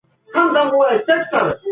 استازي ولي د رایې ورکولو حق تضمینوي؟